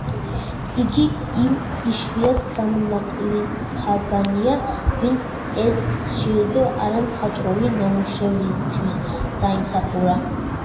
იგი იმ იშვიათ გამონაკლისთაგანია, ვინც ეს ჯილდო არა მხატვრული ნამუშევრისთვის დაიმსახურა.